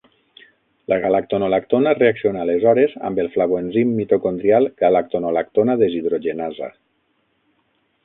-La galactonolactona reacciona aleshores amb el flavoenzim mitocondrial -galactonolactona deshidrogenasa.